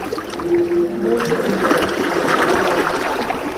n’ubwo inzira zose zigera i Roma